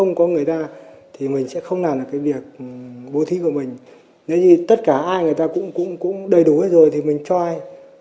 nếu như tất cả ai người ta cũng đầy đủ hết rồi thì mình cho ai